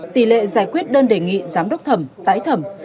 tỷ lệ giải quyết đơn đề nghị giám đốc thẩm tái thẩm